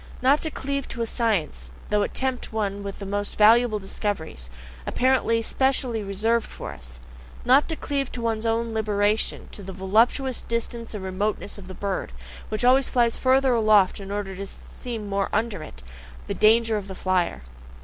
Not to cleave to a science, though it tempt one with the most valuable discoveries, apparently specially reserved for us. Not to cleave to one's own liberation, to the voluptuous distance and remoteness of the bird, which always flies further aloft in order always to see more under it the danger of the flier.